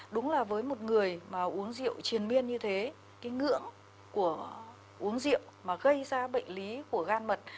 đúng là với một người mà uống rượu triền miên như thế cái ngưỡng của uống rượu mà gây ra bệnh lý của gan mật